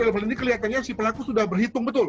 dalam hal ini kelihatannya si pelaku sudah berhitung betul